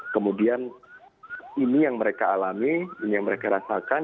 kemudian ini yang mereka alami dan yang mereka rasakan